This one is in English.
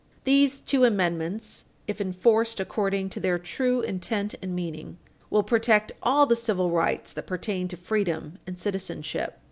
These two amendments, if enforced according to their true intent and meaning, will protect all the civil rights that pertain to freedom and citizenship.